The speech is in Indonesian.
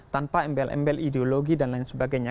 tanpa embel embel ideologi dan lain sebagainya